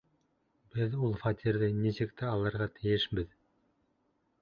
Беҙ ул фатирҙы нисек тә алырға тейешбеҙ!